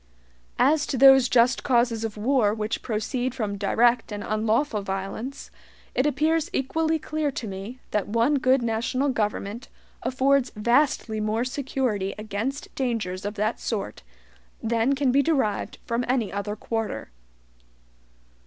As to those just causes of war which proceed from direct and unlawful violence, it appears equally clear to me that one good national government affords vastly more security against dangers of that sort than can be derived from any other quarter.